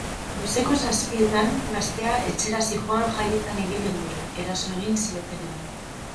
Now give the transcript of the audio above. Goizeko zazpietan gaztea etxera zihoan jaietan ibili ondoren, eraso egin ziotenean.